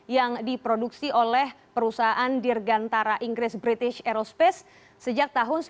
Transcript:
yang diproduksi oleh perusahaan dirgantara inggris british aerospace sejak tahun seribu sembilan ratus sembilan puluh